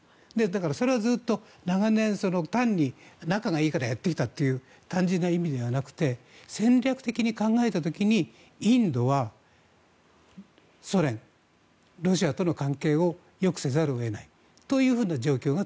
だから、それを長年単に仲がいいからやってきたという単純な意味ではなくて戦略的に考えた時にインドはソ連、ロシアとの関係をよくせざるを得ないという状況が